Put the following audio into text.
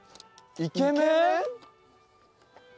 「イケメン」？